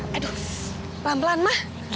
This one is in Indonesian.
aduh pelan pelan mas